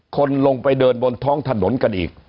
คนลงไปเดินบนท้องถนนกันอีก